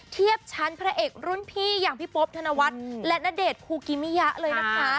เทียบชั้นพระเอกรุ่นพี่อย่างพี่โป๊บธนวัฒน์และณเดชน์คูกิมิยะเลยนะคะ